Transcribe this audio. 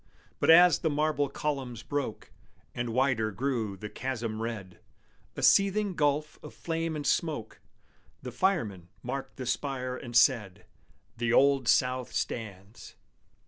But, as the marble columns broke, And wider grew the chasm red, A seething gulf of flame and smoke, The firemen marked the spire and said, "The Old South stands!"